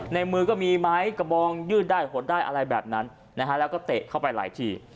ในมือก็มีไม้กระบองยืดได้หดได้อะไรแบบนั้นนะฮะแล้วก็เตะเข้าไปหลายที